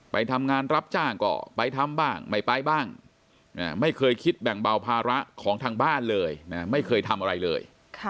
ไปทำงานรับจ้างก็ไปทำบ้างไม่ไปบ้างไม่เคยคิดแบ่งเบาภาระของทางบ้านเลยไม่เคยทำอะไรเลย